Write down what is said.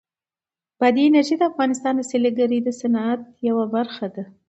بادي انرژي د افغانستان د سیلګرۍ د صنعت یوه برخه ده.